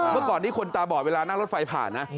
เมื่อก่อนนี้คนตาบอดเวลานั่งรถไฟผ่านนะ